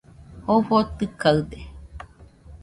Jofo tɨkaɨde